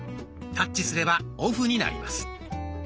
タッチすればオフになります。